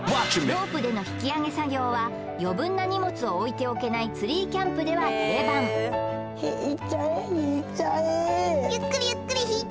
ロープでの引き上げ作業は余分な荷物を置いておけないツリーキャンプでは定番引いちゃえ引い